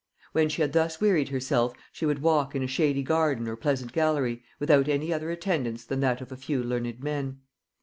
When she had thus wearied herself, she would walk in a shady garden or pleasant gallery, without any other attendance than that of a few learned men.